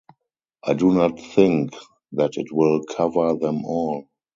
I do not think that it will cover them all.